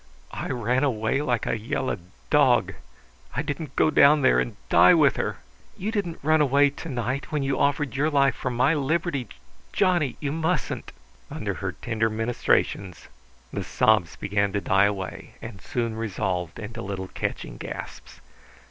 "I ran away like a yellow dog! I didn't go down there and die with her!" "You didn't run away to night when you offered your life for my liberty. Johnny, you mustn't!" Under her tender ministrations the sobs began to die away and soon resolved into little catching gasps.